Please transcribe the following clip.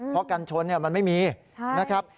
เพราะกันชนมันไม่มีนะครับ